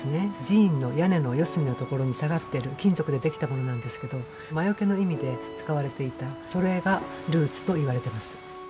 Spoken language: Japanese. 寺院の屋根の四隅のところに下がってる金属でできたものなんですけど魔よけの意味で使われていたそれがルーツといわれてます